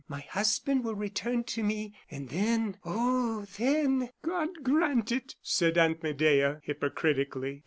My husband will return to me, and then oh, then!" "God grant it!" said Aunt Medea, hypocritically.